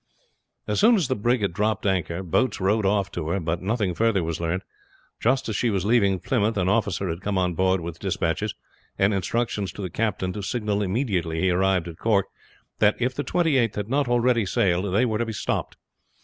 As soon as the brig had dropped anchor boats rowed off to her, but nothing further was learned. Just as she was leaving Plymouth an officer had come on board with dispatches, and instructions to the captain to signal immediately he arrived at Cork that if the Twenty eighth had not already sailed they were to be stopped.